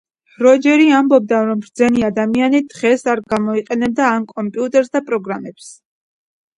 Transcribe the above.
როჯერი ამბობდა, რომ „ბრძენი ადამიანი დღეს არ გამოიყენებდა ამ კომპიუტერს და პროგრამებს“.